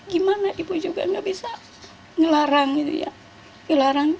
gimana ibu juga tidak bisa melarang